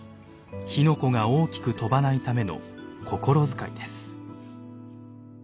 火の粉が大きく飛ばないための心遣いです。